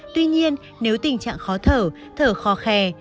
tuy nhiên nếu tình trạng khó thở thở khó khè